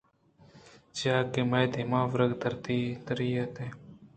چیاکہ میئے دیما وَرَگ تِرِیت اِنت